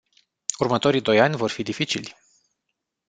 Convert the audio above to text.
Următorii doi ani vor fi dificili.